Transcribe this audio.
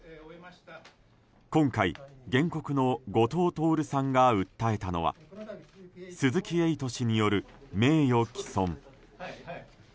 今回、原告の後藤徹さんが訴えたのは鈴木エイト氏による名誉毀損。